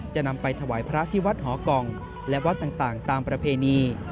จะนำไปถวายพระที่วัดหอกล่องและวัดต่างตามประเพณี